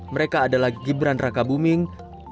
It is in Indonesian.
mereka adalah gibran rangkabuming